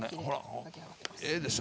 ええでしょ